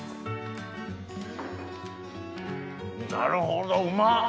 なるほどうまっ！